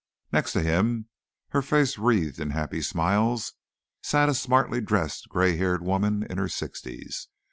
Next to him, her face wreathed in happy smiles, sat a smartly dressed grey haired woman in her sixties.